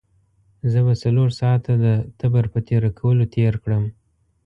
زه به څلور ساعته د تبر په تېره کولو تېر کړم.